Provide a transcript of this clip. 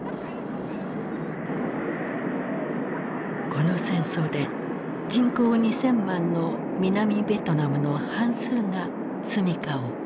この戦争で人口２，０００万の南ベトナムの半数が住みかを追われた。